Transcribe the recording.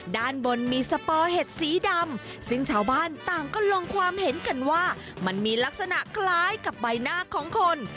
ด้านบนมีสปอเห็ดสีดำซึ่งชาวบ้านต่างก็ลงความเห็นกันว่ามันมีลักษณะคล้ายกับใบหน้าของคน